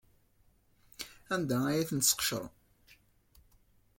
Anda ay ten-tesqecrem?